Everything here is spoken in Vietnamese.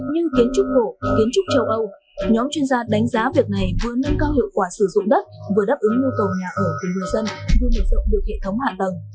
như kiến trúc cổ kiến trúc châu âu nhóm chuyên gia đánh giá việc này vừa nâng cao hiệu quả sử dụng đất vừa đáp ứng nhu cầu nhà ở của người dân vừa mở rộng được hệ thống hạ tầng